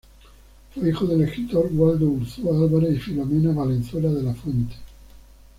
Fue hijo del escritor Waldo Urzúa Álvarez y Filomena Valenzuela de la Fuente.